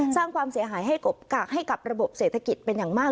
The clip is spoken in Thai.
สร้างความเสียหายให้กับระบบเศรษฐกิจเป็นอย่างมาก